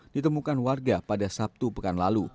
ditemukan warga pada sabtu pekan lalu